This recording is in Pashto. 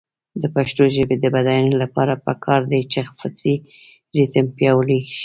د پښتو ژبې د بډاینې لپاره پکار ده چې فطري ریتم پیاوړی شي.